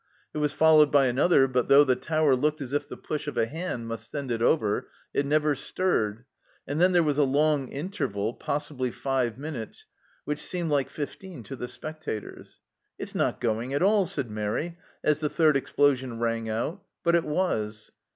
It was followed by another, but though the tower looked as if the push of a hand must send it over, it never stirred, and then there was a long interval, possibly five minutes, which seemed like fifteen to the spectators. " It's not going at all," said Mairi, as the third explosion rang out, but it was